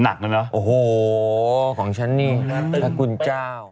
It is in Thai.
หนักแล้วนะโอ้โหของฉันนี่พระคุณเจ้า